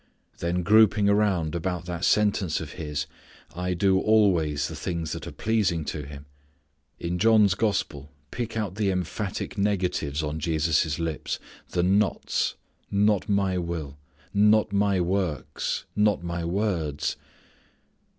Then grouping around about that sentence of His "I do always the things that are pleasing to Him" in John's gospel, pick out the emphatic negatives on Jesus' lips, the "not's": not My will, not My works, not My words.